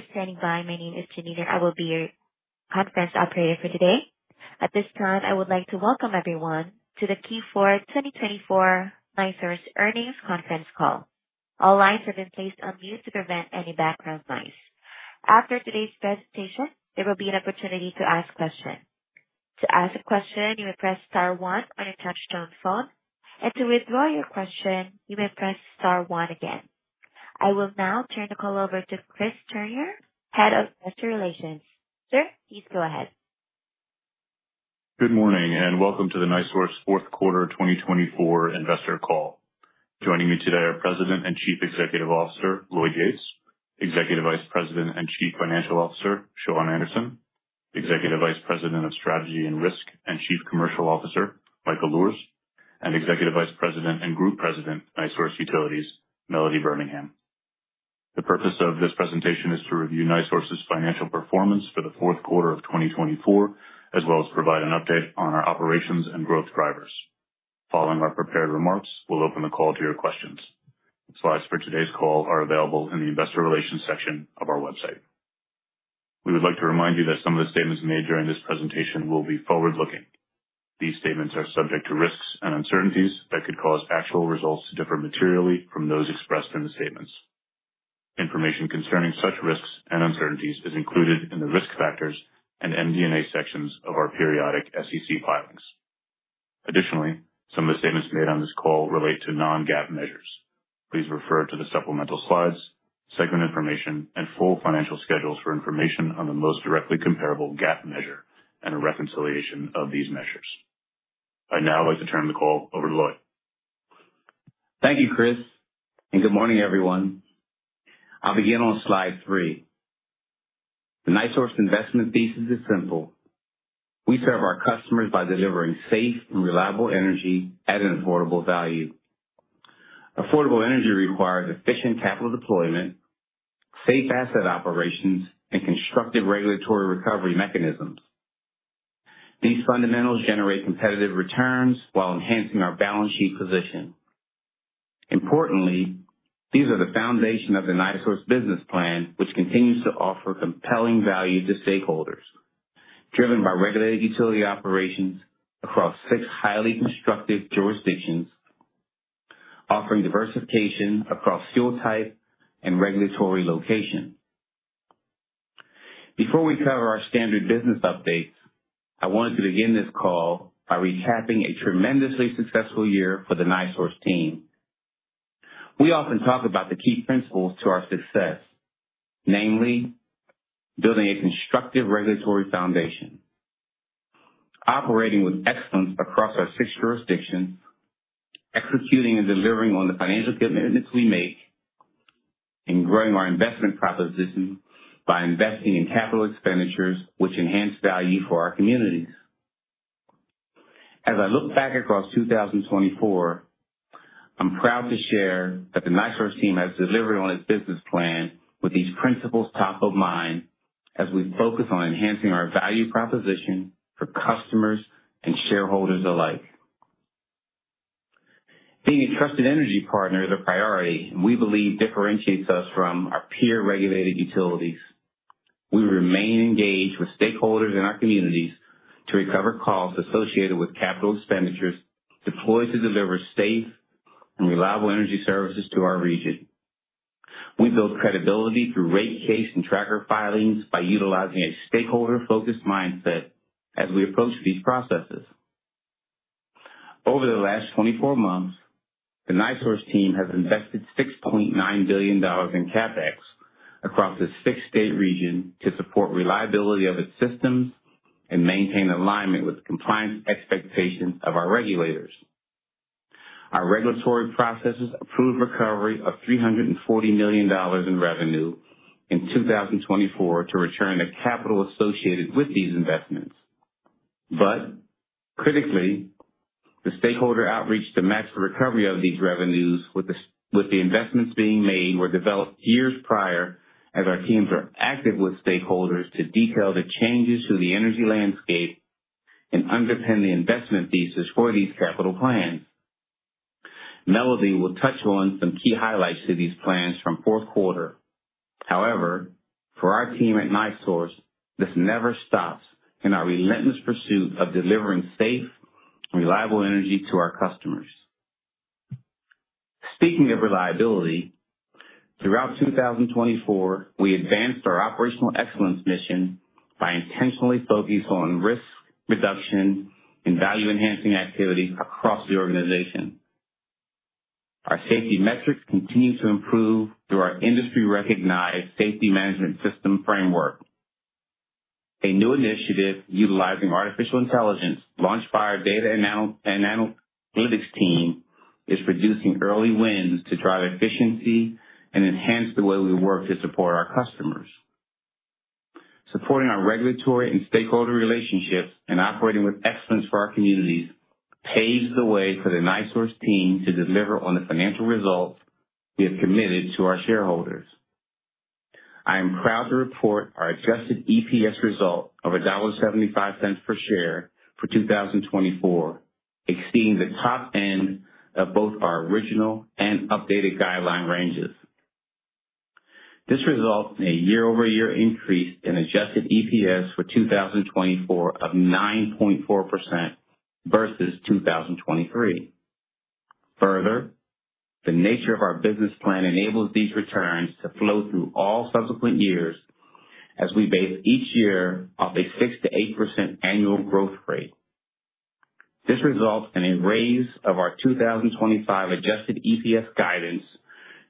For standing by, my name is Janita. I will be your conference operator for today. At this time, I would like to welcome everyone to the Q4 2024 NiSource Earnings Conference Call. All lines have been placed on mute to prevent any background noise. After today's presentation, there will be an opportunity to ask questions. To ask a question, you may press star one on your touchtone phone, and to withdraw your question, you may press star one again. I will now turn the call over to Chris Turnure, Head of Investor Relations. Sir, please go ahead. Good morning and welcome to the NiSource Fourth Quarter 2024 Investor Call. Joining me today are President and Chief Executive Officer Lloyd Yates, Executive Vice President and Chief Financial Officer Shawn Anderson, Executive Vice President of Strategy and Risk and Chief Commercial Officer Michael Luhrs, and Executive Vice President and Group President, NiSource Utilities, Melody Birmingham. The purpose of this presentation is to review NiSource's financial performance for the fourth quarter of 2024, as well as provide an update on our operations and growth drivers. Following our prepared remarks, we'll open the call to your questions. Slides for today's call are available in the Investor Relations section of our website. We would like to remind you that some of the statements made during this presentation will be forward-looking. These statements are subject to risks and uncertainties that could cause actual results to differ materially from those expressed in the statements. Information concerning such risks and uncertainties is included in the risk factors and MD&A sections of our periodic SEC filings. Additionally, some of the statements made on this call relate to non-GAAP measures. Please refer to the supplemental slides, segment information, and full financial schedules for information on the most directly comparable GAAP measure and a reconciliation of these measures. I'd now like to turn the call over to Lloyd. Thank you, Chris, and good morning, everyone. I'll begin on slide three. The NiSource investment thesis is simple. We serve our customers by delivering safe and reliable energy at an affordable value. Affordable energy requires efficient capital deployment, safe asset operations, and constructive regulatory recovery mechanisms. These fundamentals generate competitive returns while enhancing our balance sheet position. Importantly, these are the foundation of the NiSource business plan, which continues to offer compelling value to stakeholders, driven by regulated utility operations across six highly constructive jurisdictions, offering diversification across fuel type and regulatory location. Before we cover our standard business updates, I wanted to begin this call by recapping a tremendously successful year for the NiSource team. We often talk about the key principles to our success, namely building a constructive regulatory foundation, operating with excellence across our six jurisdictions, executing and delivering on the financial commitments we make, and growing our investment proposition by investing in capital expenditures, which enhance value for our communities. As I look back across 2024, I'm proud to share that the NiSource team has delivered on its business plan with these principles top of mind as we focus on enhancing our value proposition for customers and shareholders alike. Being a trusted energy partner is a priority and we believe differentiates us from our peer regulated utilities. We remain engaged with stakeholders in our communities to recover costs associated with capital expenditures deployed to deliver safe and reliable energy services to our region. We build credibility through rate case and tracker filings by utilizing a stakeholder-focused mindset as we approach these processes. Over the last 24 months, the NiSource team has invested $6.9 billion in CapEx across the six-state region to support reliability of its systems and maintain alignment with compliance expectations of our regulators. Our regulatory processes approved recovery of $340 million in revenue in 2024 to return the capital associated with these investments. But critically, the stakeholder outreach to match the recovery of these revenues with the investments being made were developed years prior as our teams are active with stakeholders to detail the changes to the energy landscape and underpin the investment thesis for these capital plans. Melody will touch on some key highlights to these plans from fourth quarter. However, for our team at NiSource, this never stops in our relentless pursuit of delivering safe and reliable energy to our customers. Speaking of reliability, throughout 2024, we advanced our operational excellence mission by intentionally focusing on risk reduction and value-enhancing activities across the organization. Our safety metrics continue to improve through our industry-recognized safety management system framework. A new initiative utilizing artificial intelligence, LaunchBio data and analytics team is producing early wins to drive efficiency and enhance the way we work to support our customers. Supporting our regulatory and stakeholder relationships and operating with excellence for our communities paves the way for the NiSource team to deliver on the financial results we have committed to our shareholders. I am proud to report our adjusted EPS result of $1.75 per share for 2024, exceeding the top end of both our original and updated guideline ranges. This resulted in a year-over-year increase in adjusted EPS for 2024 of 9.4% versus 2023. Further, the nature of our business plan enables these returns to flow through all subsequent years as we base each year off a 6%-8% annual growth rate. This results in a raise of our 2025 adjusted EPS guidance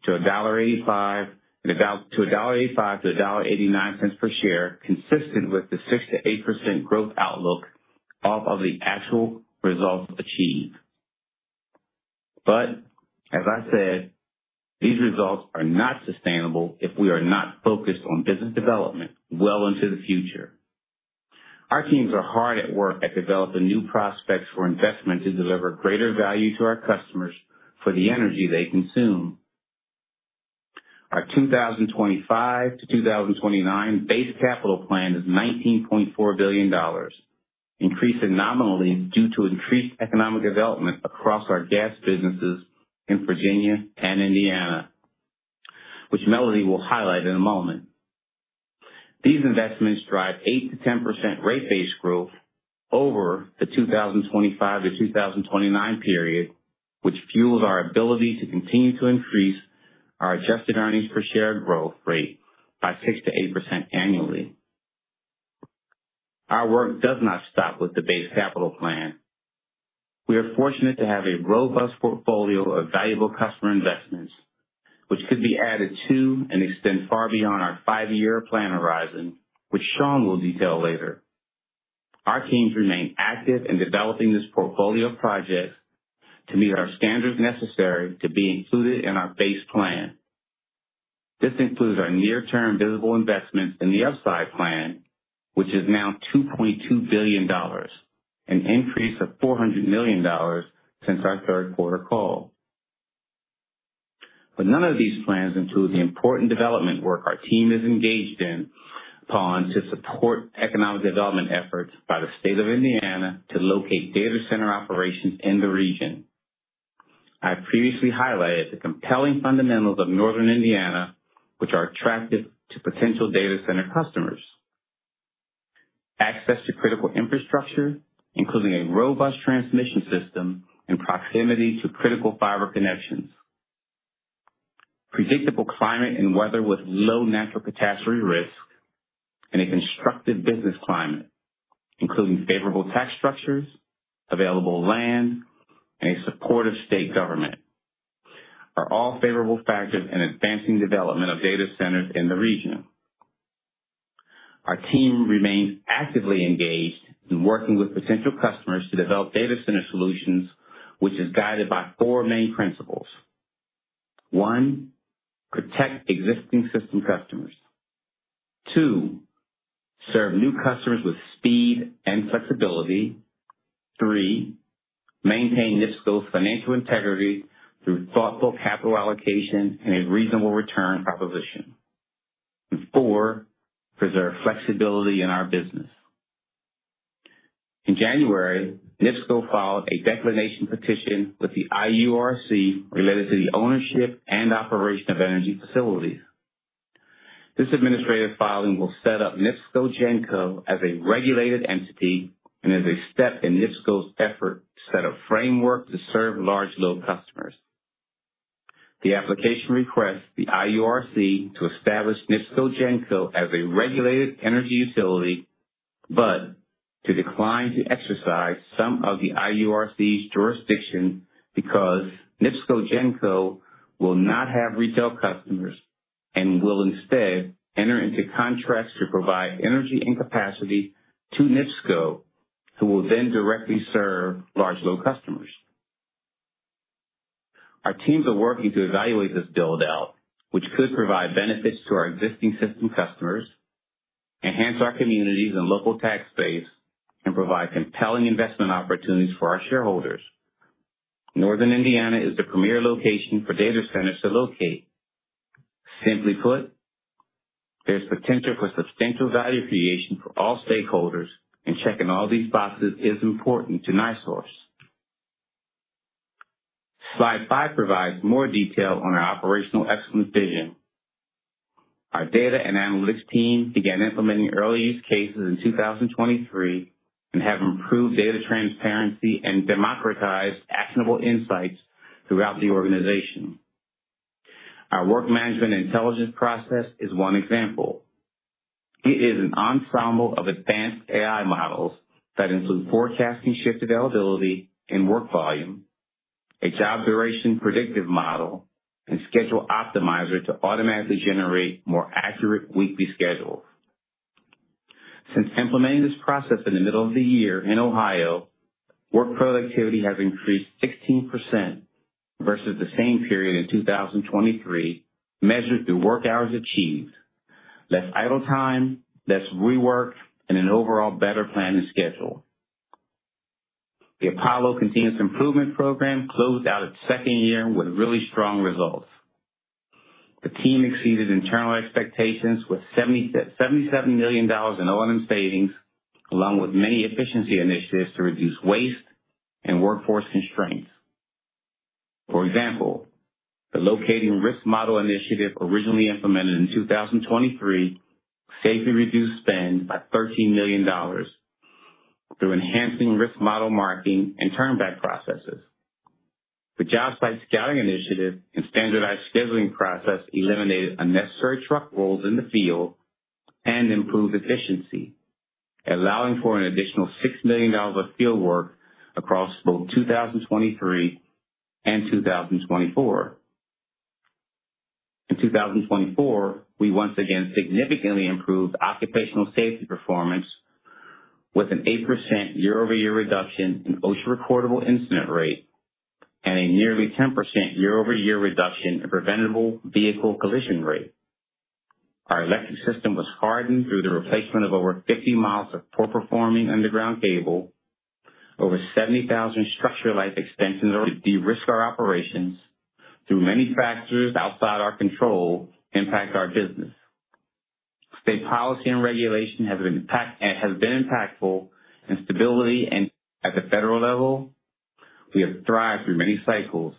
to $1.85-$1.89 per share, consistent with the 6%-8% growth outlook off of the actual results achieved. But as I said, these results are not sustainable if we are not focused on business development well into the future. Our teams are hard at work at developing new prospects for investment to deliver greater value to our customers for the energy they consume. Our 2025 to 2029 base capital plan is $19.4 billion, increasing nominally due to increased economic development across our gas businesses in Virginia and Indiana, which Melody will highlight in a moment. These investments drive 8%-10% rate-based growth over the 2025 to 2029 period, which fuels our ability to continue to increase our adjusted earnings per share growth rate by 6%-8% annually. Our work does not stop with the base capital plan. We are fortunate to have a robust portfolio of valuable customer investments, which could be added to and extend far beyond our five-year plan horizon, which Shawn will detail later. Our teams remain active in developing this portfolio of projects to meet our standards necessary to be included in our base plan. This includes our near-term visible investments in the upside plan, which is now $2.2 billion, an increase of $400 million since our third quarter call. But none of these plans include the important development work our team is engaged in order to support economic development efforts by the state of Indiana to locate data center operations in the region. I previously highlighted the compelling fundamentals of Northern Indiana, which are attractive to potential data center customers: access to critical infrastructure, including a robust transmission system in proximity to critical fiber connections, predictable climate and weather with low natural catastrophe risk, and a constructive business climate, including favorable tax structures, available land, and a supportive state government, are all favorable factors in advancing development of data centers in the region. Our team remains actively engaged in working with potential customers to develop data center solutions, which is guided by four main principles: one, protect existing system customers, two, serve new customers with speed and flexibility, three, maintain NIPSCO's financial integrity through thoughtful capital allocation and a reasonable return proposition, and four, preserve flexibility in our business. In January, NIPSCO filed a declination petition with the IURC related to the ownership and operation of energy facilities. This administrative filing will set up NIPSCO GENCO as a regulated entity and is a step in NIPSCO's effort to set a framework to serve large load customers. The application requests the IURC to establish NIPSCO GENCO as a regulated energy utility, but to decline to exercise some of the IURC's jurisdiction because NIPSCO GENCO will not have retail customers and will instead enter into contracts to provide energy and capacity to NIPSCO, who will then directly serve large local customers. Our teams are working to evaluate this build-out, which could provide benefits to our existing system customers, enhance our communities and local tax base, and provide compelling investment opportunities for our shareholders. Northern Indiana is the premier location for data centers to locate. Simply put, there's potential for substantial value creation for all stakeholders, and checking all these boxes is important to NiSource. Slide five provides more detail on our operational excellence vision. Our data and analytics team began implementing early use cases in 2023 and have improved data transparency and democratized actionable insights throughout the organization. Our Work Management Intelligence process is one example. It is an ensemble of advanced AI models that include forecasting shift availability and work volume, a job duration predictive model, and schedule optimizer to automatically generate more accurate weekly schedules. Since implementing this process in the middle of the year in Ohio, work productivity has increased 16% versus the same period in 2023, measured through work hours achieved, less idle time, less rework, and an overall better plan and schedule. The Apollo Continuous Improvement Program closed out its second year with really strong results. The team exceeded internal expectations with $77 million in O&M savings, along with many efficiency initiatives to reduce waste and workforce constraints. For example, the locating risk model initiative originally implemented in 2023 safely reduced spend by $13 million through enhancing risk model marking and turnback processes. The job site scouting initiative and standardized scheduling process eliminated unnecessary truck rolls in the field and improved efficiency, allowing for an additional $6 million of field work across both 2023 and 2024. In 2024, we once again significantly improved occupational safety performance with an 8% year-over-year reduction in OSHA recordable incident rate and a nearly 10% year-over-year reduction in preventable vehicle collision rate. Our electric system was hardened through the replacement of over 50 miles of poor-performing underground cable, over 70,000 structure life extensions. To de-risk our operations from many factors outside our control that impact our business. State policy and regulation have been impactful in stability and. At the federal level, we have thrived through many cycles,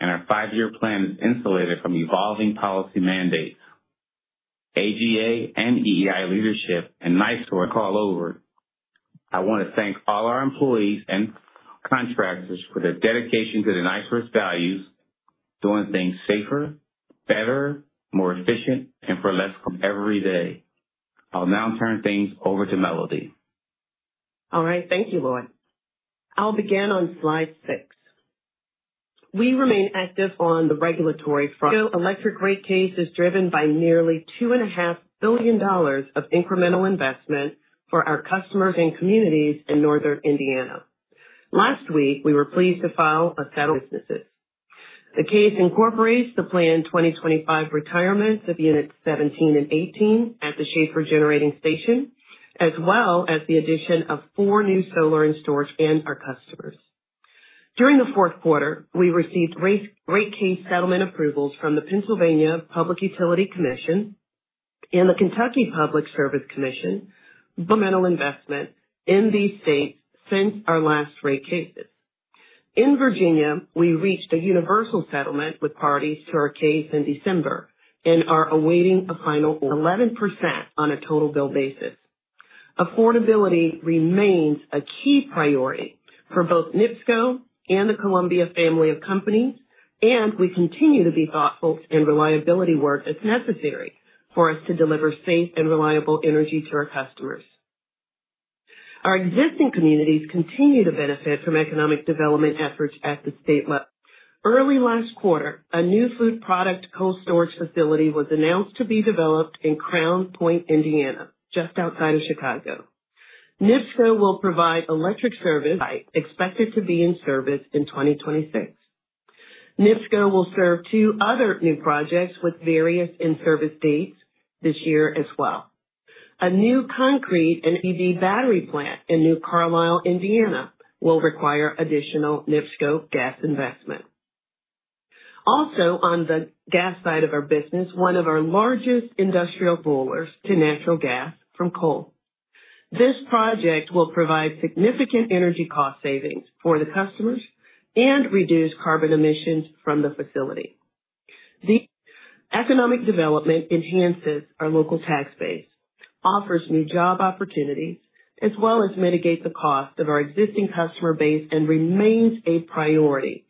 and our five-year plan is insulated from evolving policy mandates. AGA and EEI leadership and NiSource call over. I want to thank all our employees and contractors for their dedication to the NiSource's values, doing things safer, better, more efficient, and for less. Every day. I'll now turn things over to Melody. All right. Thank you, Lloyd. I'll begin on slide six. We remain active on the regulatory front. The electric rate case is driven by nearly $2.5 billion of incremental investment for our customers and communities in Northern Indiana. Last week, we were pleased to file a settlement. The case incorporates the planned 2025 retirements of units 17 and 18 at the Shafer Generating Station, as well as the addition of four new solar and storage projects for our customers. During the fourth quarter, we received rate case settlement approvals from the Pennsylvania Public Utility Commission and the Kentucky Public Service Commission to fund investments in these states since our last rate cases. In Virginia, we reached a universal settlement with parties to our case in December and are awaiting a final 11% on a total bill basis. Affordability remains a key priority for both NIPSCO and the Columbia family of companies, and we continue to be thoughtful and reliability work as necessary for us to deliver safe and reliable energy to our customers. Our existing communities continue to benefit from economic development efforts at the state. Early last quarter, a new food product cold storage facility was announced to be developed in Crown Point, Indiana, just outside of Chicago. NIPSCO will provide electric service. Site expected to be in service in 2026. NIPSCO will serve two other new projects with various in-service dates this year as well. A new concrete and EV battery plant in New Carlisle, Indiana, will require additional NIPSCO gas investment. Also, on the gas side of our business, one of our largest industrial boilers to natural gas from coal. This project will provide significant energy cost savings for the customers and reduce carbon emissions from the facility. The economic development enhances our local tax base, offers new job opportunities, as well as mitigates the cost of our existing customer base and remains a priority.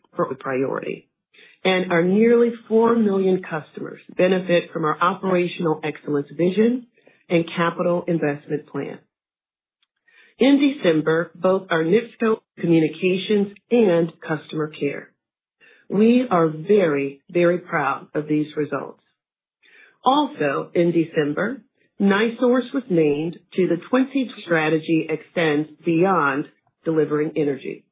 And our nearly four million customers benefit from our operational excellence vision and capital investment plan. In December, both our NIPSCO communications and customer care. We are very, very proud of these results. Also, in December, NiSource was named to the 2020 strategy extends beyond delivering energy.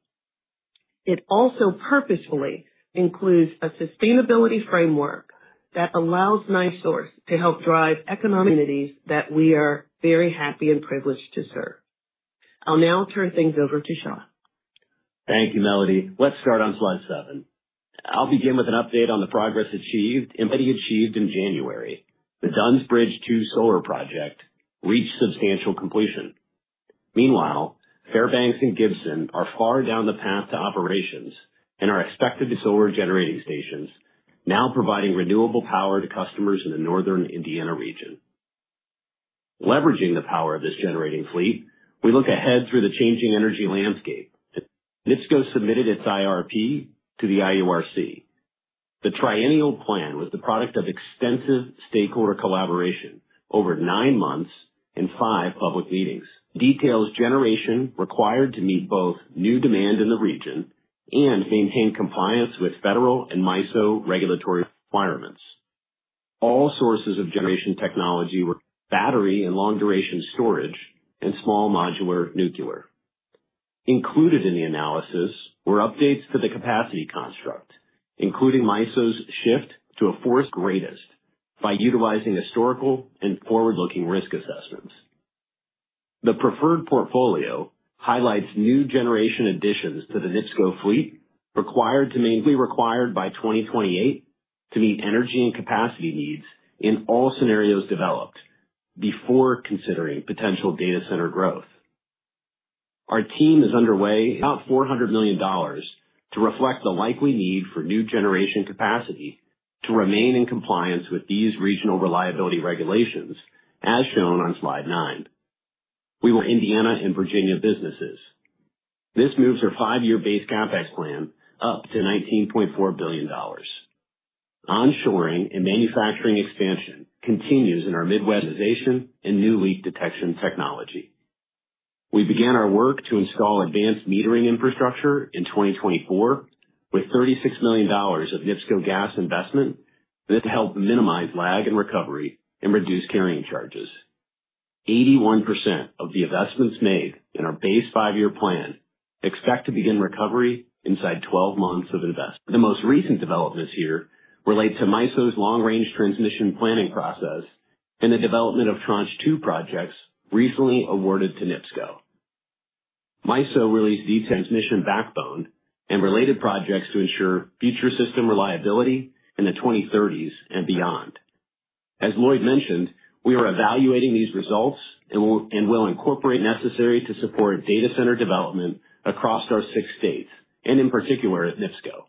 It also purposefully includes a sustainability framework that allows NiSource to help drive economic communities that we are very happy and privileged to serve. I'll now turn things over to Shawn. Thank you, Melody. Let's start on slide seven. I'll begin with an update on the progress achieved in January. The Dunn's Bridge 2 solar project reached substantial completion. Meanwhile, Fairbanks Solar and Gibson Solar are far down the path to operations and are expected to be solar generating stations, now providing renewable power to customers in the Northern Indiana region. Leveraging the power of this generating fleet, we look ahead through the changing energy landscape. NIPSCO submitted its IRP to the IURC. The triennial plan was the product of extensive stakeholder collaboration over nine months and five public meetings. It details the generation required to meet both new demand in the region and maintain compliance with federal and MISO regulatory requirements. All sources of generation technology were battery and long-duration storage and small modular nuclear. Included in the analysis were updates to the capacity construct, including MISO's shift to a forward capacity by utilizing historical and forward-looking risk assessments. The preferred portfolio highlights new generation additions to the NIPSCO fleet required by 2028 to meet energy and capacity needs in all scenarios developed before considering potential data center growth. Our investment is underway about $400 million to reflect the likely need for new generation capacity to remain in compliance with these regional reliability regulations, as shown on slide nine. Indiana and Virginia businesses. This moves our five-year base CapEx plan up to $19.4 billion. Onshoring and manufacturing expansion continues in our Midwest, utilization and new leak detection technology. We began our work to install advanced metering infrastructure in 2024 with $36 million of NIPSCO gas investment to help minimize lag in recovery and reduce carrying charges. 81% of the investments made in our base five-year plan expect to begin recovery inside 12 months of investment. The most recent developments here relate to MISO's long-range transmission planning process and the development of tranche two projects recently awarded to NIPSCO. MISO released the transmission backbone and related projects to ensure future system reliability in the 2030s and beyond. As Lloyd mentioned, we are evaluating these results and will incorporate necessary to support data center development across our six states, and in particular at NIPSCO.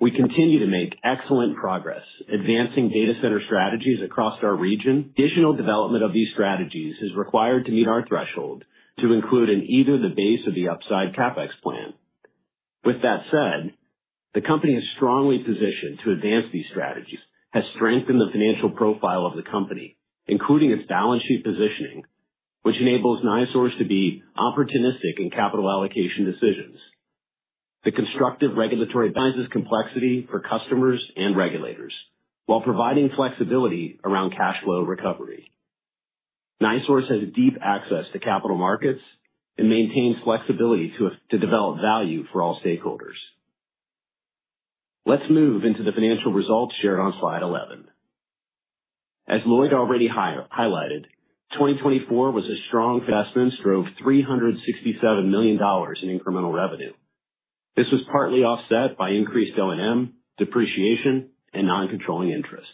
We continue to make excellent progress advancing data center strategies across our region. Additional development of these strategies is required to meet our threshold to include in either the base or the upside CapEx plan. With that said, the company is strongly positioned to advance these strategies. Has strengthened the financial profile of the company, including its balance sheet positioning, which enables NiSource to be opportunistic in capital allocation decisions. The constructive regulatory compromises complexity for customers and regulators while providing flexibility around cash flow recovery. NiSource has deep access to capital markets and maintains flexibility to develop value for all stakeholders. Let's move into the financial results shared on slide 11. As Lloyd already highlighted, 2024 was a strong investment that drove $367 million in incremental revenue. This was partly offset by increased O&M, depreciation, and non-controlling interest.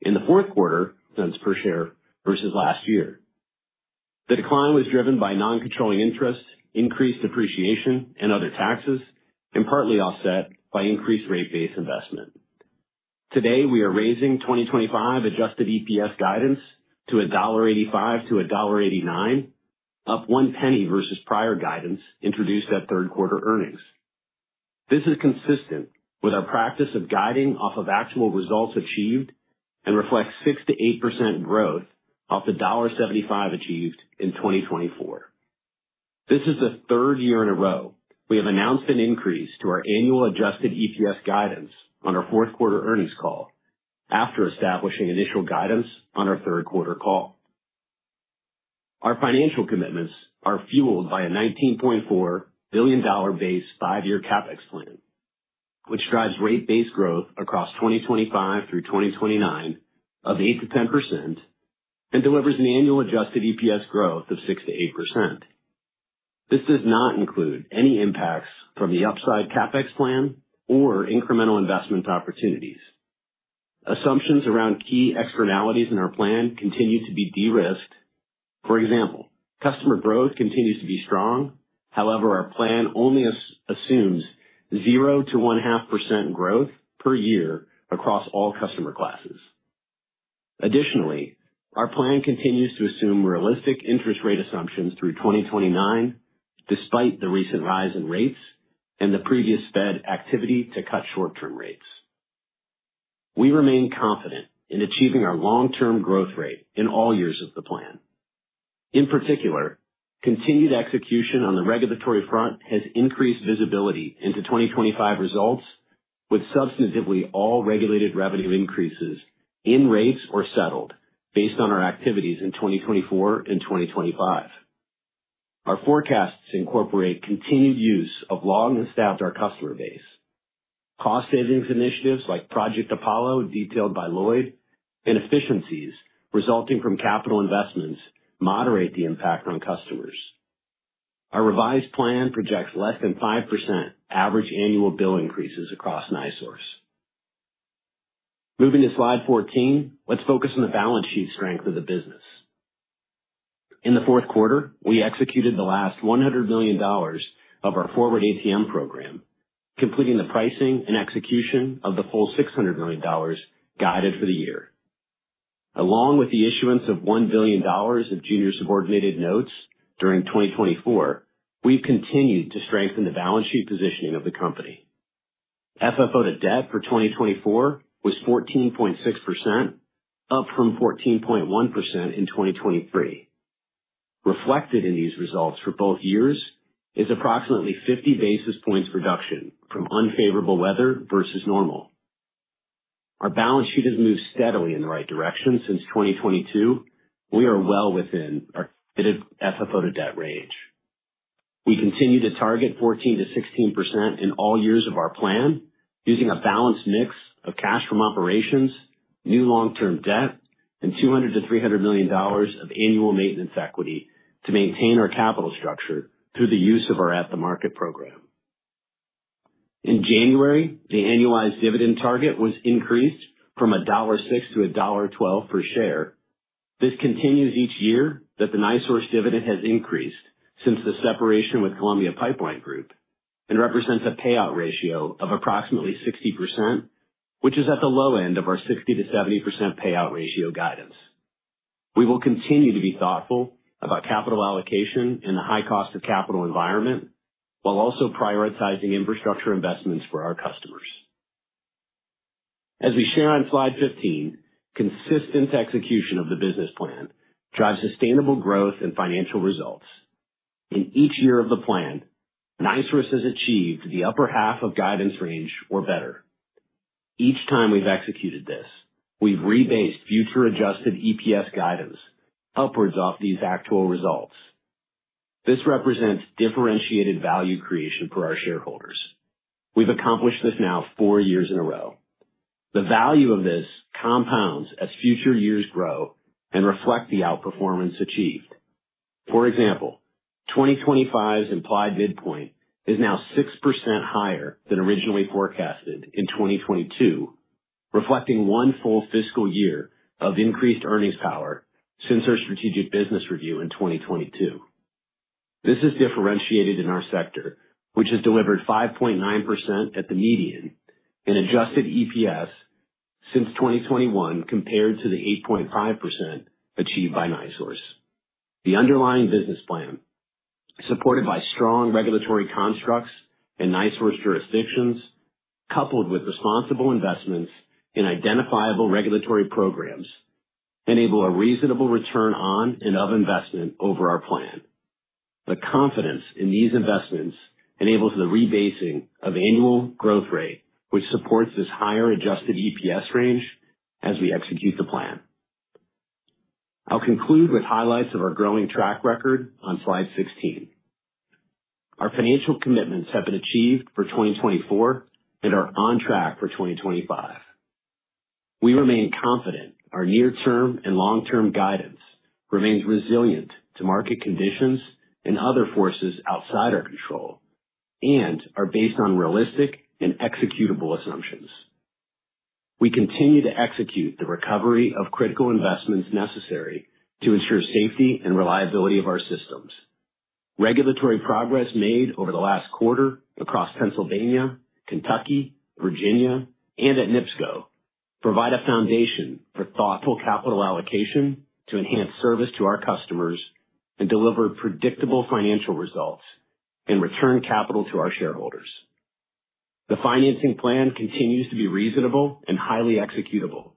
In the fourth quarter, per share versus last year. The decline was driven by non-controlling interest, increased depreciation, and other taxes, and partly offset by increased rate-based investment. Today, we are raising 2025 adjusted EPS guidance to $1.85-$1.89, up one penny versus prior guidance introduced at third quarter earnings. This is consistent with our practice of guiding off of actual results achieved and reflects 6%-8% growth off the $1.75 achieved in 2024. This is the third year in a row we have announced an increase to our annual adjusted EPS guidance on our fourth quarter earnings call after establishing initial guidance on our third quarter call. Our financial commitments are fueled by a $19.4 billion base five-year CapEx plan, which drives rate-based growth across 2025 through 2029 of 8%-10% and delivers an annual adjusted EPS growth of 6%-8%. This does not include any impacts from the upside CapEx plan or incremental investment opportunities. Assumptions around key externalities in our plan continue to be de-risked. For example, customer growth continues to be strong. However, our plan only assumes 0%-1.5% growth per year across all customer classes. Additionally, our plan continues to assume realistic interest rate assumptions through 2029, despite the recent rise in rates and the previous Fed activity to cut short-term rates. We remain confident in achieving our long-term growth rate in all years of the plan. In particular, continued execution on the regulatory front has increased visibility into 2025 results, with substantively all regulated revenue increases in rates or settled based on our activities in 2024 and 2025. Our forecasts incorporate continued use of long-established customer base. Cost savings initiatives like Project Apollo, detailed by Lloyd, and efficiencies resulting from capital investments moderate the impact on customers. Our revised plan projects less than 5% average annual bill increases across NiSource. Moving to slide 14, let's focus on the balance sheet strength of the business. In the fourth quarter, we executed the last $100 million of our forward ATM program, completing the pricing and execution of the full $600 million guided for the year. Along with the issuance of $1 billion of junior subordinated notes during 2024, we've continued to strengthen the balance sheet positioning of the company. FFO to debt for 2024 was 14.6%, up from 14.1% in 2023. Reflected in these results for both years is approximately 50 basis points reduction from unfavorable weather versus normal. Our balance sheet has moved steadily in the right direction since 2022. We are well within our FFO to debt range. We continue to target 14%-16% in all years of our plan, using a balanced mix of cash from operations, new long-term debt, and $200-$300 million of annual maintenance equity to maintain our capital structure through the use of our at-the-market program. In January, the annualized dividend target was increased from $1.6 to $1.12 per share. This continues each year that the NiSource dividend has increased since the separation with Columbia Pipeline Group and represents a payout ratio of approximately 60%, which is at the low end of our 60%-70% payout ratio guidance. We will continue to be thoughtful about capital allocation and the high cost of capital environment, while also prioritizing infrastructure investments for our customers. As we share on slide 15, consistent execution of the business plan drives sustainable growth and financial results. In each year of the plan, NiSource has achieved the upper half of guidance range or better. Each time we've executed this, we've rebased future adjusted EPS guidance upwards off these actual results. This represents differentiated value creation for our shareholders. We've accomplished this now four years in a row. The value of this compounds as future years grow and reflect the outperformance achieved. For example, 2025's implied midpoint is now 6% higher than originally forecasted in 2022, reflecting one full fiscal year of increased earnings power since our strategic business review in 2022. This is differentiated in our sector, which has delivered 5.9% at the median and adjusted EPS since 2021 compared to the 8.5% achieved by NiSource. The underlying business plan, supported by strong regulatory constructs and NiSource jurisdictions, coupled with responsible investments in identifiable regulatory programs, enable a reasonable return on and of investment over our plan. The confidence in these investments enables the rebasing of annual growth rate, which supports this higher adjusted EPS range as we execute the plan. I'll conclude with highlights of our growing track record on slide 16. Our financial commitments have been achieved for 2024 and are on track for 2025. We remain confident our near-term and long-term guidance remains resilient to market conditions and other forces outside our control and are based on realistic and executable assumptions. We continue to execute the recovery of critical investments necessary to ensure safety and reliability of our systems. Regulatory progress made over the last quarter across Pennsylvania, Kentucky, Virginia, and at NIPSCO provides a foundation for thoughtful capital allocation to enhance service to our customers and deliver predictable financial results and return capital to our shareholders. The financing plan continues to be reasonable and highly executable.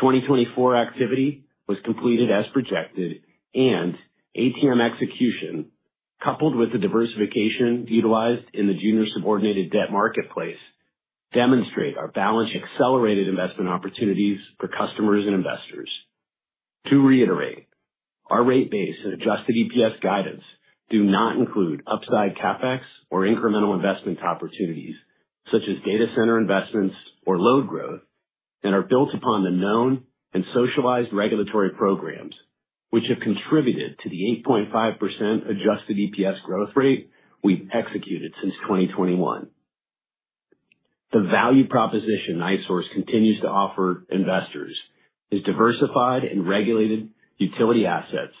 2024 activity was completed as projected, and ATM execution, coupled with the diversification utilized in the junior subordinated debt marketplace, demonstrate our balance accelerated investment opportunities for customers and investors. To reiterate, our rate base and adjusted EPS guidance do not include upside CapEx or incremental investment opportunities such as data center investments or load growth and are built upon the known and socialized regulatory programs, which have contributed to the 8.5% adjusted EPS growth rate we've executed since 2021. The value proposition NiSource continues to offer investors is diversified and regulated utility assets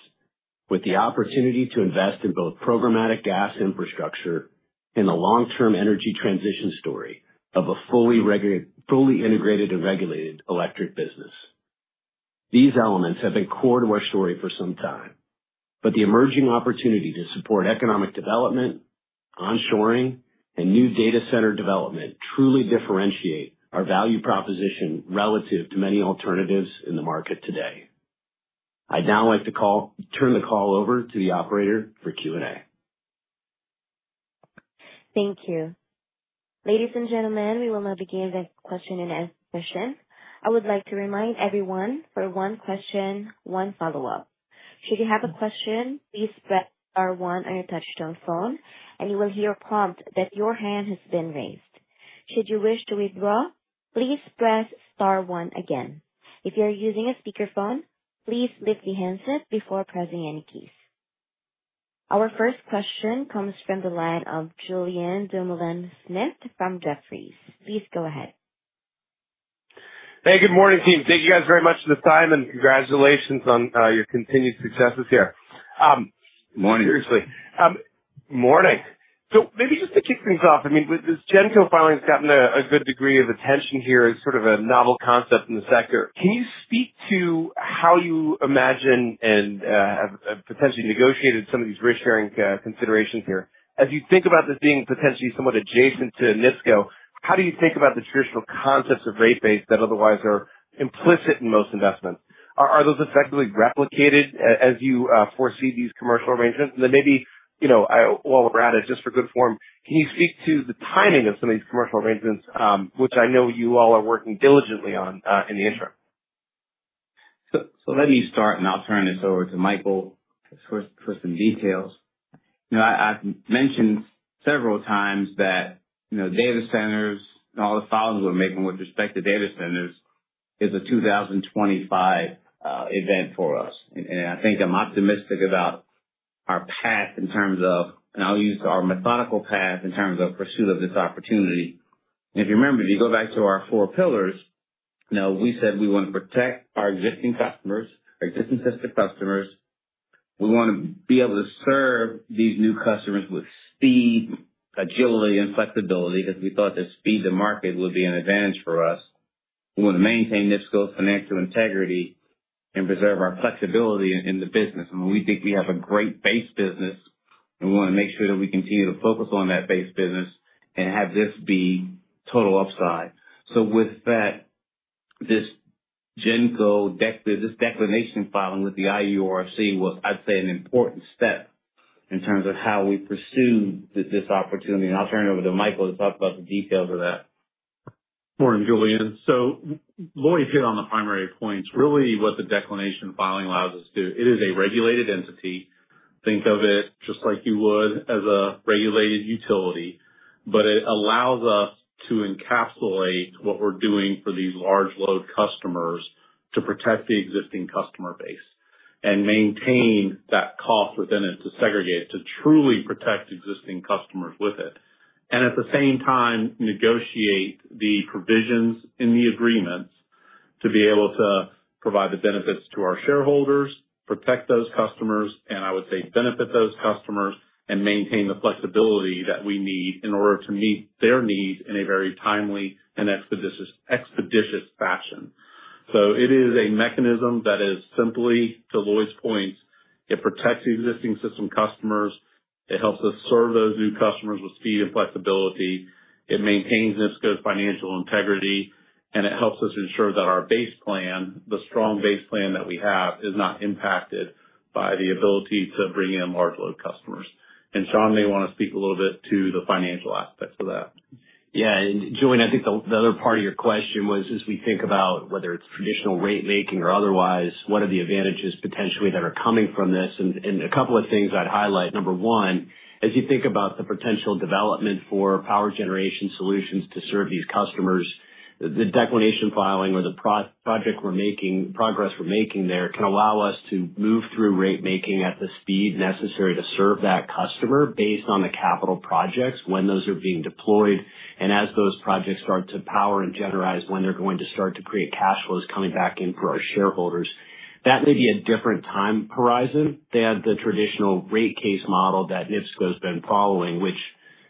with the opportunity to invest in both programmatic gas infrastructure and the long-term energy transition story of a fully integrated and regulated electric business. These elements have been core to our story for some time, but the emerging opportunity to support economic development, onshoring, and new data center development truly differentiate our value proposition relative to many alternatives in the market today. I'd now like to turn the call over to the operator for Q&A. Thank you. Ladies and gentlemen, we will now begin the question and answer session. I would like to remind everyone for one question, one follow-up. Should you have a question, please press star one on your touch-tone phone, and you will hear a prompt that your hand has been raised. Should you wish to withdraw, please press star one again. If you're using a speakerphone, please lift the handset before pressing any keys. Our first question comes from the line of Julien Dumoulin-Smith from Jefferies. Please go ahead. Hey, good morning, team. Thank you guys very much for the time, and congratulations on your continued successes here. Good morning. Seriously. Morning. So maybe just to kick things off, I mean, this GENCO filing has gotten a good degree of attention here as sort of a novel concept in the sector. Can you speak to how you imagine and have potentially negotiated some of these rate-sharing considerations here? As you think about this being potentially somewhat adjacent to NIPSCO, how do you think about the traditional concepts of rate base that otherwise are implicit in most investments? Are those effectively replicated as you foresee these commercial arrangements? And then maybe, while we're at it, just for good form, can you speak to the timing of some of these commercial arrangements, which I know you all are working diligently on in the interim? So let me start, and I'll turn this over to Michael for some details. I've mentioned several times that data centers and all the filings we're making with respect to data centers is a 2025 event for us. I think I'm optimistic about our path in terms of, and I'll use our methodical path in terms of pursuit of this opportunity. If you remember, if you go back to our four pillars, we said we want to protect our existing customers, our existing system customers. We want to be able to serve these new customers with speed, agility, and flexibility because we thought the speed to market would be an advantage for us. We want to maintain NIPSCO's financial integrity and preserve our flexibility in the business. We think we have a great base business, and we want to make sure that we continue to focus on that base business and have this be total upside. With that, this GENCO, this declination filing with the IURC was, I'd say, an important step in terms of how we pursued this opportunity. And I'll turn it over to Michael to talk about the details of that. Morning, Julien. Lloyd hit on the primary points. Really, what the Declination Petition allows us to do, it is a regulated entity. Think of it just like you would as a regulated utility, but it allows us to encapsulate what we're doing for these large load customers to protect the existing customer base and maintain that cost within it to segregate it to truly protect existing customers with it. And at the same time, negotiate the provisions in the agreements to be able to provide the benefits to our shareholders, protect those customers, and I would say benefit those customers and maintain the flexibility that we need in order to meet their needs in a very timely and expeditious fashion. It is a mechanism that is simply to Lloyd's points. It protects existing system customers. It helps us serve those new customers with speed and flexibility. It maintains NIPSCO's financial integrity, and it helps us ensure that our Base Plan, the strong Base Plan that we have, is not impacted by the ability to bring in large load customers. And Shahriar, maybe you want to speak a little bit to the financial aspects of that. Yeah. And Julien, I think the other part of your question was, as we think about whether it's traditional rate-making or otherwise, what are the advantages potentially that are coming from this? And a couple of things I'd highlight. Number one, as you think about the potential development for power generation solutions to serve these customers, the declination filing or the project we're making, progress we're making there can allow us to move through rate-making at the speed necessary to serve that customer based on the capital projects, when those are being deployed, and as those projects start to power and generalize, when they're going to start to create cash flows coming back in for our shareholders. That may be a different time horizon than the traditional rate case model that NIPSCO has been following, which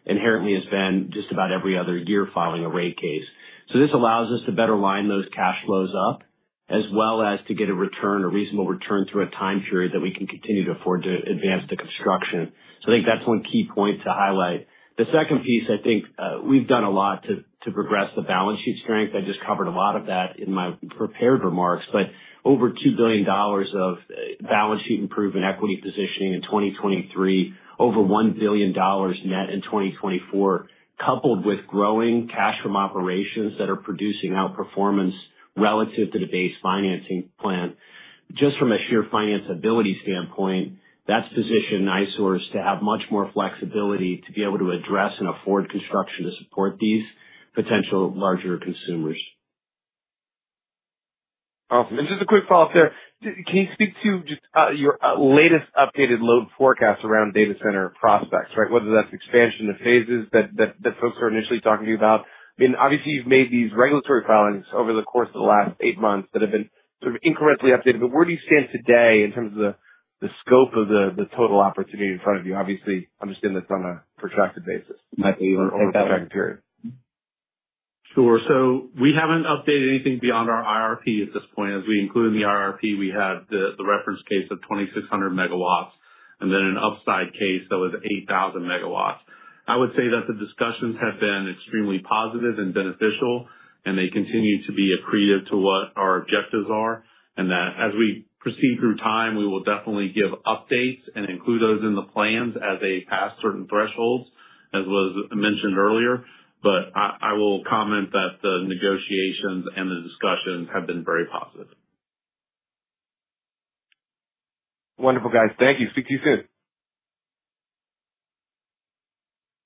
inherently has been just about every other year filing a rate case. So this allows us to better line those cash flows up as well as to get a return, a reasonable return through a time period that we can continue to afford to advance the construction. So I think that's one key point to highlight. The second piece, I think we've done a lot to progress the balance sheet strength. I just covered a lot of that in my prepared remarks, but over $2 billion of balance sheet improvement equity positioning in 2023, over $1 billion net in 2024, coupled with growing cash from operations that are producing outperformance relative to the base financing plan. Just from a sheer financeability standpoint, that's positioned NiSource to have much more flexibility to be able to address and afford construction to support these potential larger consumers. Awesome. And just a quick follow-up there. Can you speak to your latest updated load forecast around data center prospects, right? Whether that's expansion to phases that folks are initially talking to you about. I mean, obviously, you've made these regulatory filings over the course of the last eight months that have been sort of incrementally updated. But where do you stand today in terms of the scope of the total opportunity in front of you? Obviously, understand that's on a protracted basis. I think that's a protracted period. Sure. So we haven't updated anything beyond our IRP at this point. As we include in the IRP, we have the reference case of 2,600 megawatts and then an upside case that was 8,000 megawatts. I would say that the discussions have been extremely positive and beneficial, and they continue to be accretive to what our objectives are. And as we proceed through time, we will definitely give updates and include those in the plans as they pass certain thresholds, as was mentioned earlier. But I will comment that the negotiations and the discussions have been very positive. Wonderful, guys. Thank you. Speak to you soon.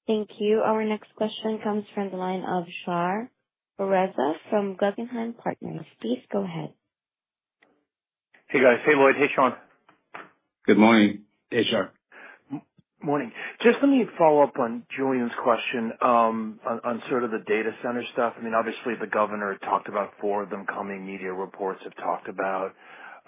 Thank you. Our next question comes from the line of Shahriar Pourreza from Guggenheim Partners. Please go ahead. Hey, guys. Hey, Lloyd. Hey, Sean. Good morning. Hey, Sean. Morning. Just let me follow up on Julien's question on sort of the data center stuff. I mean, obviously, the governor talked about four of them coming. Media reports have talked about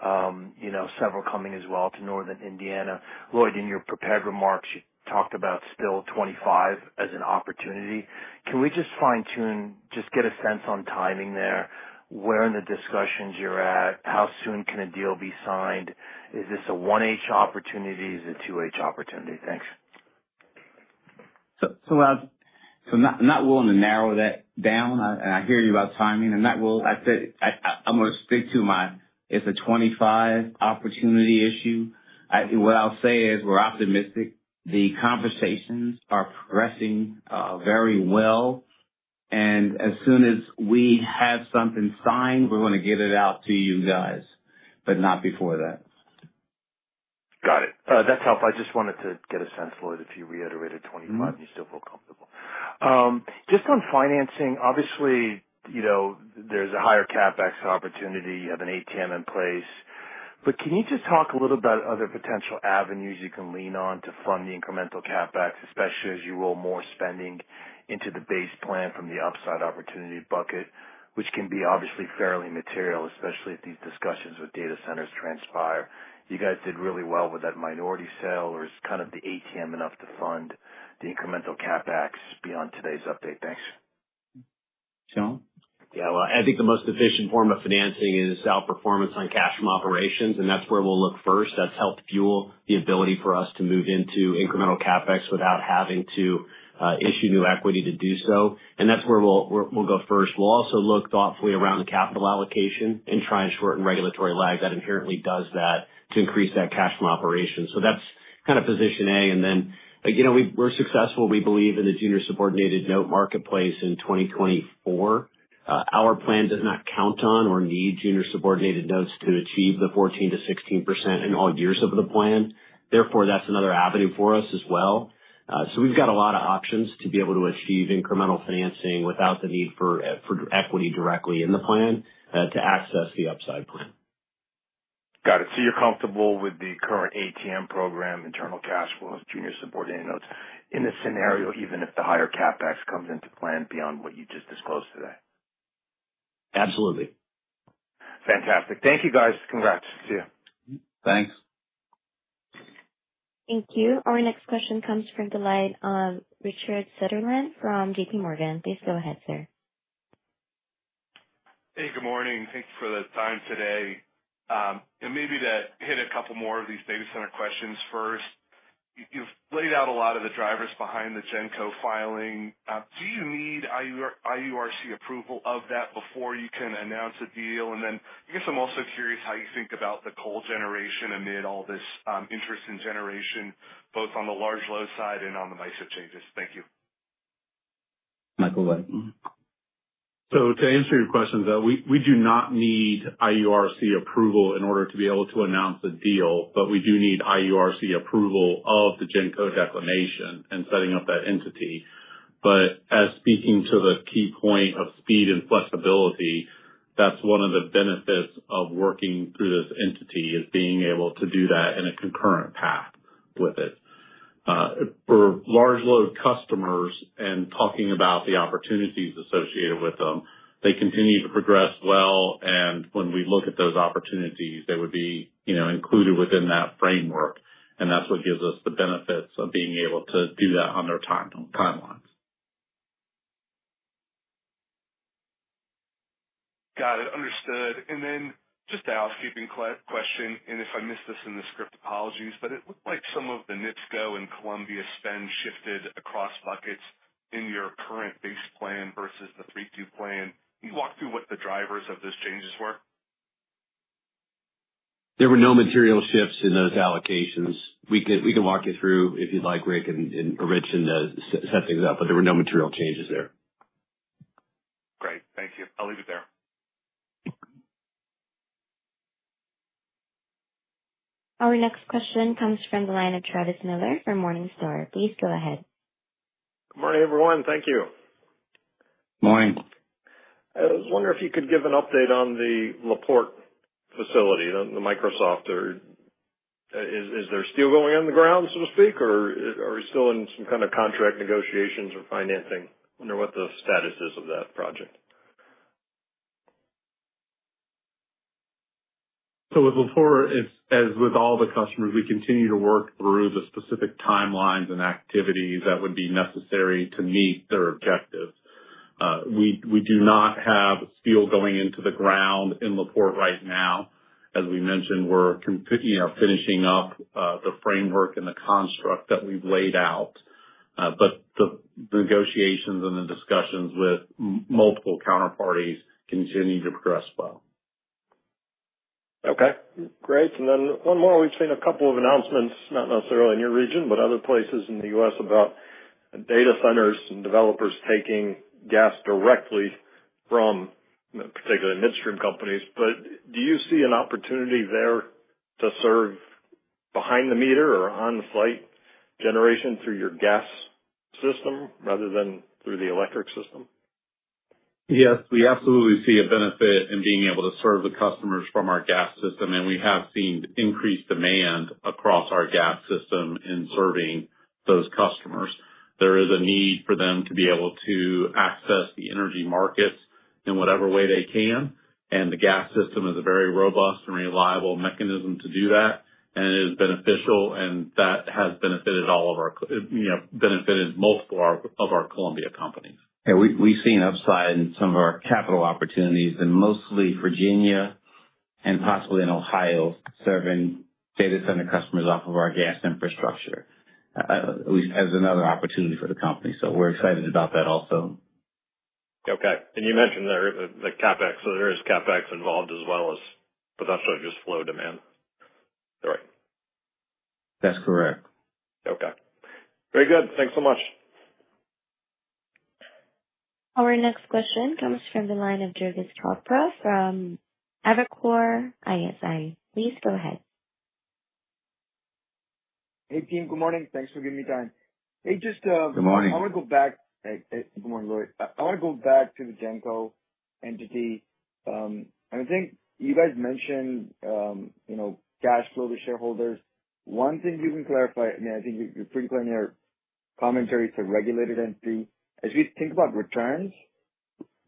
several coming as well to Northern Indiana. Lloyd, in your prepared remarks, you talked about still 25 as an opportunity. Can we just fine-tune, just get a sense on timing there, where in the discussions you're at, how soon can a deal be signed? Is this a 1H opportunity? Is it a 2H opportunity? Thanks. So I'm not willing to narrow that down. I hear you about timing. I said I'm going to stick to my it's a 25 opportunity issue. What I'll say is we're optimistic. The conversations are progressing very well. And as soon as we have something signed, we're going to get it out to you guys, but not before that. Got it. That's helpful. I just wanted to get a sense, Lloyd, if you reiterated 25 and you still feel comfortable. Just on financing, obviously, there's a higher CapEx opportunity. You have an ATM in place. But can you just talk a little about other potential avenues you can lean on to fund the incremental CapEx, especially as you roll more spending into the base plan from the upside opportunity bucket, which can be obviously fairly material, especially if these discussions with data centers transpire? You guys did really well with that minority sale. Is kind of the ATM enough to fund the incremental CapEx beyond today's update? Thanks. Shahriar? Yeah. Well, I think the most efficient form of financing is outperformance on cash from operations, and that's where we'll look first. That's helped fuel the ability for us to move into incremental CapEx without having to issue new equity to do so and that's where we'll go first. We'll also look thoughtfully around the capital allocation and try and shorten regulatory lag that inherently does that to increase that cash from operations, so that's kind of position A and then we're successful, we believe, in the junior subordinated note marketplace in 2024. Our plan does not count on or need junior subordinated notes to achieve the 14%-16% in all years of the plan. Therefore, that's another avenue for us as well. So we've got a lot of options to be able to achieve incremental financing without the need for equity directly in the plan to access the upside plan. Got it. So you're comfortable with the current ATM program, internal cash flows, junior subordinated notes in the scenario, even if the higher CapEx comes into plan beyond what you just disclosed today? Absolutely. Fantastic. Thank you, guys. Congrats. See you. Thanks. Thank you. Our next question comes from the line of Richard Sunderland from JPMorgan. Please go ahead, sir. Hey, good morning. Thank you for the time today. And maybe to hit a couple more of these data center questions first, you've laid out a lot of the drivers behind the GENCO filing. Do you need IURC approval of that before you can announce a deal? And then I guess I'm also curious how you think about the coal generation amid all this interest in generation, both on the large load side and on the MISO of changes. Thank you. Michael Luhrs. So to answer your questions, we do not need IURC approval in order to be able to announce a deal, but we do need IURC approval of the GENCO declination and setting up that entity. But speaking to the key point of speed and flexibility, that's one of the benefits of working through this entity is being able to do that in a concurrent path with it. For large load customers and talking about the opportunities associated with them, they continue to progress well. And when we look at those opportunities, they would be included within that framework. And that's what gives us the benefits of being able to do that on their timelines. Got it. Understood. And then just a housekeeping question, and if I missed this in the script, apologies, but it looked like some of the NIPSCO and Columbia spend shifted across buckets in your current base plan versus the 3-2 plan. Can you walk through what the drivers of those changes were? There were no material shifts in those allocations. We can walk you through if you'd like, Rick and Rich, and set things up, but there were no material changes there. Great. Thank you. I'll leave it there. Our next question comes from the line of Travis Miller for Morningstar. Please go ahead. Good morning, everyone. Thank you. Morning. I was wondering if you could give an update on the La Porte facility, the Microsoft. Is there steel going on the ground, so to speak, or are we still in some kind of contract negotiations or financing? I wonder what the status is of that project. So as with all the customers, we continue to work through the specific timelines and activities that would be necessary to meet their objectives. We do not have steel going into the ground in La Porte right now. As we mentioned, we're finishing up the framework and the construct that we've laid out. But the negotiations and the discussions with multiple counterparties continue to progress well. Okay. Great. And then one more. We've seen a couple of announcements, not necessarily in your region, but other places in the U.S. about data centers and developers taking gas directly from particularly midstream companies. But do you see an opportunity there to serve behind the meter or on-site generation through your gas system rather than through the electric system? Yes. We absolutely see a benefit in being able to serve the customers from our gas system. And we have seen increased demand across our gas system in serving those customers. There is a need for them to be able to access the energy markets in whatever way they can. And the gas system is a very robust and reliable mechanism to do that. And it is beneficial, and that has benefited multiple of our Columbia companies. Yeah. We've seen upside in some of our capital opportunities, and mostly Virginia and possibly in Ohio serving data center customers off of our gas infrastructure, at least as another opportunity for the company. So we're excited about that also. Okay. And you mentioned the CapEx. So there is CapEx involved as well as potentially just flow demand. Is that right? That's correct. Okay. Very good. Thanks so much. Our next question comes from the line of Durgesh Chopra from Evercore. Please go ahead. Hey, team. Good morning. Thanks for giving me time. Good morning, Lloyd. I want to go back to the GENCO entity. And I think you guys mentioned cash flow to shareholders. One thing you can clarify, I mean, I think you're pretty clear in your commentary to regulated entity. As we think about returns,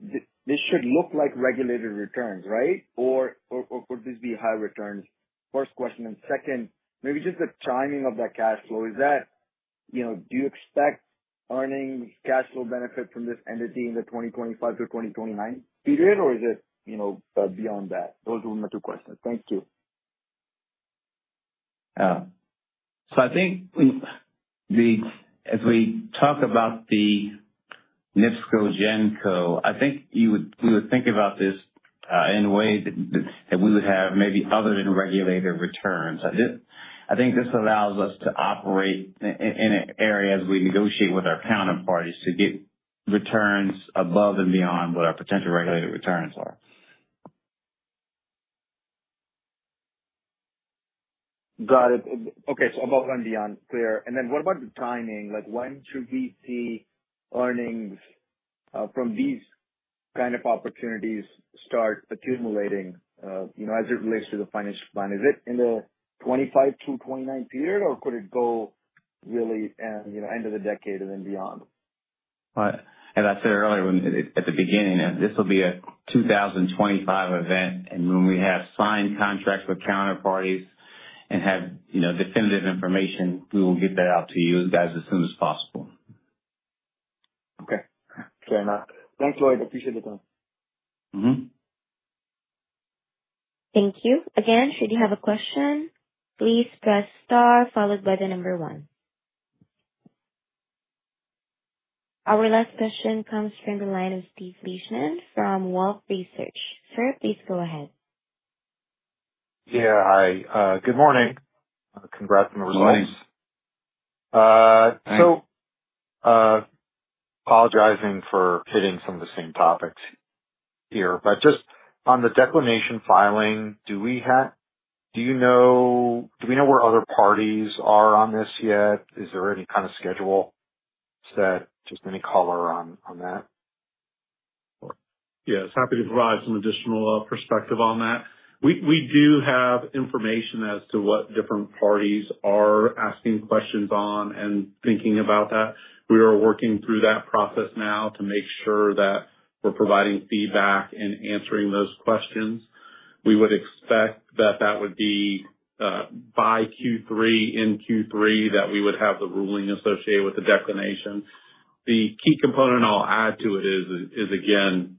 this should look like regulated returns, right? Or would this be high returns? First question. And second, maybe just the timing of that cash flow. Do you expect earning cash flow benefit from this entity in the 2025 to 2029 period, or is it beyond that? Those are my two questions. Thank you. So I think as we talk about the NIPSCO GENCO, I think we would think about this in a way that we would have maybe other than regulated returns. I think this allows us to operate in an area as we negotiate with our counterparties to get returns above and beyond what our potential regulated returns are. Got it. Okay. So above and beyond. Clear. And then what about the timing? When should we see earnings from these kind of opportunities start accumulating as it relates to the financial plan? Is it in the 2025 to 2029 period, or could it go really end of the decade and then beyond? And I said earlier at the beginning that this will be a 2025 event. And when we have signed contracts with counterparties and have definitive information, we will get that out to you guys as soon as possible. Okay. Fair enough. Thanks, Lloyd. Appreciate the time. Thank you. Again, should you have a question, please press star followed by the number one. Our last question comes from the line of Steve Fleishman from Wolfe Research. Sir, please go ahead. Yeah. Hi. Good morning. Congrats on the release. So apologizing for hitting some of the same topics here. But just on the declination filing, do we know where other parties are on this yet? Is there any kind of schedule? Just any color on that? Yeah. I was happy to provide some additional perspective on that. We do have information as to what different parties are asking questions on and thinking about that. We are working through that process now to make sure that we're providing feedback and answering those questions. We would expect that that would be by Q3, in Q3, that we would have the ruling associated with the declination. The key component I'll add to it is, again,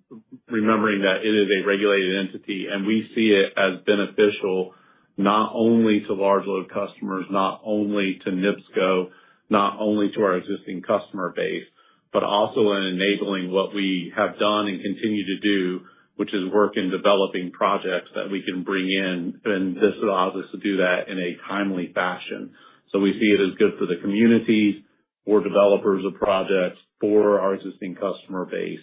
remembering that it is a regulated entity, and we see it as beneficial not only to large load customers, not only to NIPSCO, not only to our existing customer base, but also in enabling what we have done and continue to do, which is work in developing projects that we can bring in. And this allows us to do that in a timely fashion. So we see it as good for the communities, for developers of projects, for our existing customer base,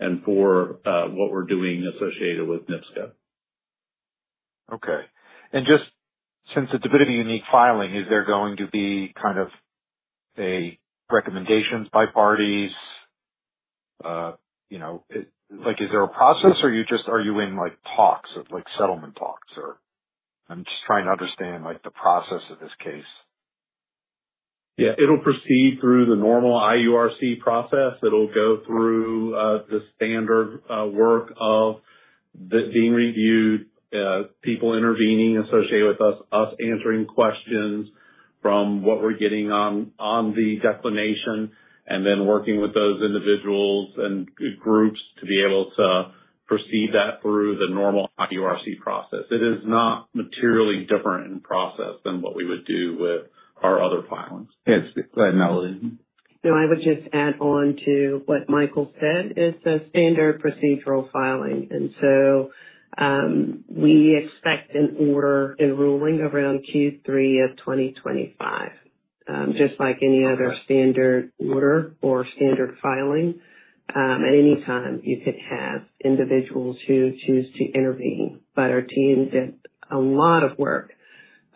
and for what we're doing associated with NIPSCO. Okay. Just since it's a bit of a unique filing, is there going to be kind of recommendations by parties? Is there a process, or are you in talks, settlement talks? I'm just trying to understand the process of this case. Yeah. It'll proceed through the normal IURC process. It'll go through the standard work of being reviewed, people intervening associated with us, us answering questions from what we're getting on the declination, and then working with those individuals and groups to be able to proceed that through the normal IURC process. It is not materially different in process than what we would do with our other filings. Yes. Go ahead, Melody. I would just add on to what Michael said. It's a standard procedural filing. We expect an order and ruling around Q3 of 2025, just like any other standard order or standard filing. At any time, you could have individuals who choose to intervene. But our team did a lot of work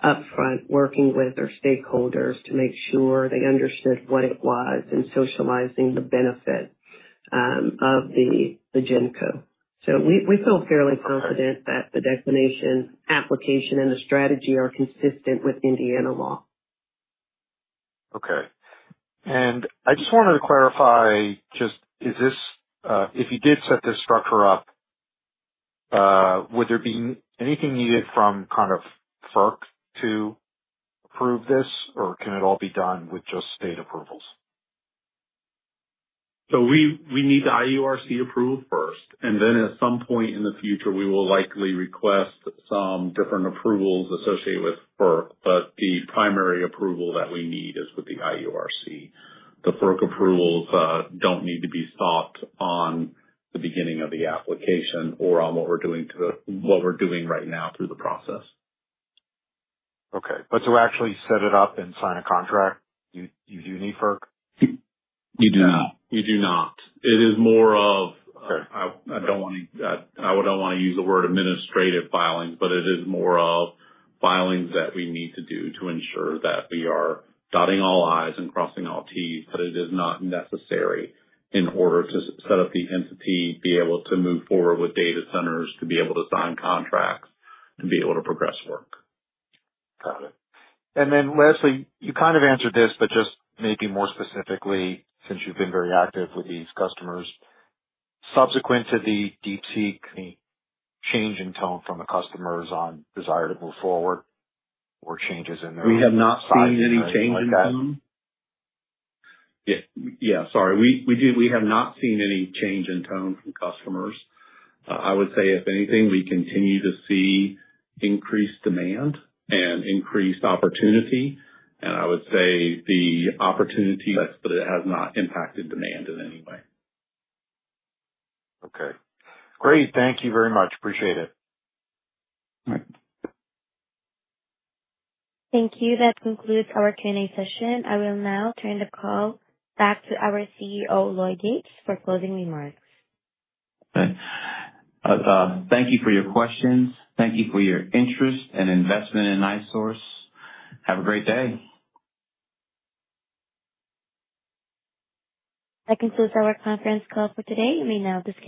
upfront working with our stakeholders to make sure they understood what it was and socializing the benefit of the GENCO. So we feel fairly confident that the declination application and the strategy are consistent with Indiana law. Okay. And I just wanted to clarify just if you did set this structure up, would there be anything needed from kind of FERC to approve this, or can it all be done with just state approvals? So we need the IURC approved first. And then at some point in the future, we will likely request some different approvals associated with FERC. But the primary approval that we need is with the IURC. The FERC approvals don't need to be sought on the beginning of the application or on what we're doing to what we're doing right now through the process. Okay. But to actually set it up and sign a contract, you do need FERC? You do not. You do not. It is more of I don't want to I don't want to use the word administrative filings, but it is more of filings that we need to do to ensure that we are dotting all i's and crossing all t's, but it is not necessary in order to set up the entity, be able to move forward with data centers, to be able to sign contracts, to be able to progress work. Got it. And then lastly, you kind of answered this, but just maybe more specifically since you've been very active with these customers, subsequent to the DeepSeek, any change in tone from the customers on desire to move forward or changes in their? We have not seen any change in tone. Yeah. Sorry. We have not seen any change in tone from customers. I would say, if anything, we continue to see increased demand and increased opportunity. And I would say the opportunity. But it has not impacted demand in any way. Okay. Great. Thank you very much. Appreciate it. All right. Thank you. That concludes our Q&A session. I will now turn the call back to our CEO, Lloyd Yates, for closing remarks. Okay. Thank you for your questions. Thank you for your interest and investment in NiSource. Have a great day. That concludes our conference call for today. You may now disconnect.